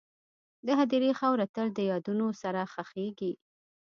د هدیرې خاوره تل د یادونو سره ښخېږي..